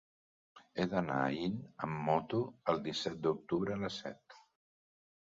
He d'anar a Aín amb moto el disset d'octubre a les set.